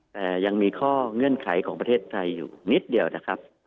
แต่ยังมีข้อเงื่อนไขของประเทศไทยอยู่นิดเดียวนะครับ